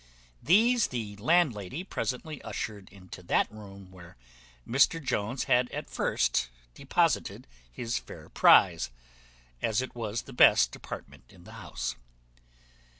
These the landlady presently ushered into that room where Mr Jones had at first deposited his fair prize, as it was the best apartment in the house.